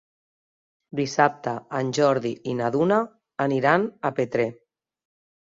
Dissabte en Jordi i na Duna aniran a Petrer.